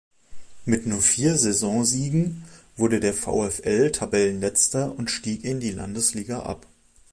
Mit nur vier Saisonsiegen wurde der VfL Tabellenletzter und stieg in die Landesliga ab.